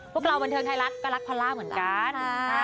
พวกเราบันเทิงไทยรัฐก็รักพอลล่าเหมือนกัน